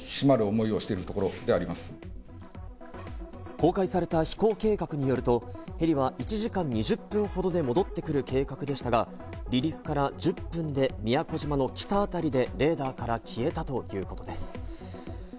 公開された飛行計画によると、ヘリは１時間２０分ほどで戻ってくる計画でしたが、離陸から１０分で、宮古島の北あたりでレーダーから消えたということです。